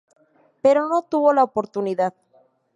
Pero no tuvo la oportunidad.